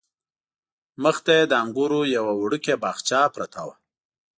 مخې ته یې د انګورو یوه وړوکې باغچه پرته وه.